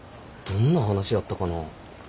どんな話やったかな。